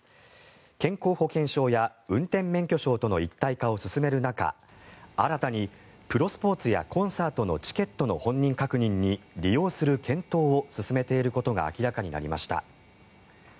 健康保険証や運転免許証との一体化を進める中新たに、プロスポーツやコンサートのチケットの本人確認に利用する検討を進めていることが明らかになりました。